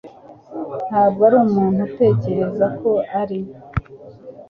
ntabwo ari umuntu utekereza ko ari.